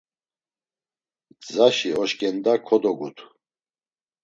Gzaşi oşǩenda kodogutu.